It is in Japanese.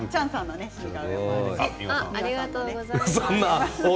ありがとうございます。